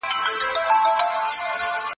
يو کاڼى د ناحقو مي را پرېووت پر سر باندي دي